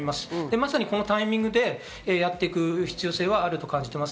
まさにこのタイミングでやっていく必要性はあると感じています。